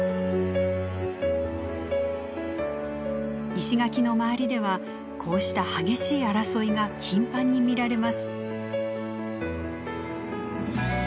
石垣の周りではこうした激しい争いが頻繁に見られます。